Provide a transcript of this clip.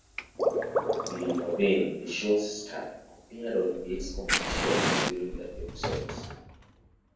Lee Marvin, the show's star, appeared on its commercials during the episodes.